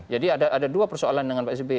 jadi ada dua persoalan dengan pak sby